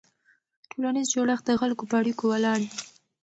ټولنیز جوړښت د خلکو په اړیکو ولاړ وي.